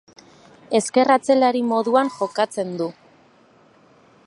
Ezker atzelari moduan jokatzen du.